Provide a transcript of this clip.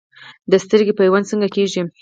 د سترګې پیوند څنګه کیږي؟